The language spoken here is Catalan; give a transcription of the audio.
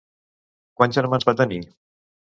Quants germans va tenir?